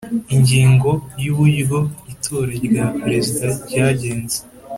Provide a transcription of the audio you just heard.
Ingingo ya Uburyo itora rya Perezida ryagenze